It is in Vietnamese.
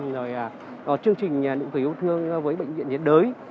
rồi có chương trình nụ cười yêu thương với bệnh viện nhiễn đới